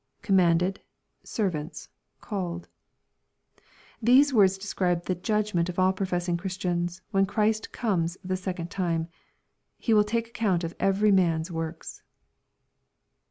[Com'manded...8ervants..,caned.] These words describe the judg ment of all professing Christians, when Chiist comes the second time. He will take account of every man's works.